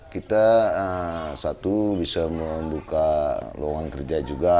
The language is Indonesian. kita satu bisa membuka lowongan kerja juga